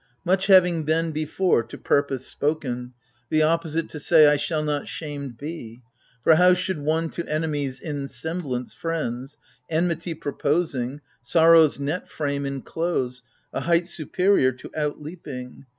Much having been before to purpose spoken, The opposite to say I shall not shamed be : For how should one, to enemies, — in semblance, Friends, — enmity proposing, — sorrow's net frame Enclose, a height supeiior to outleaping?